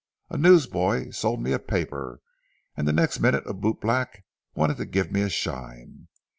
A newsboy sold me a paper, and the next minute a bootblack wanted to give me a shine.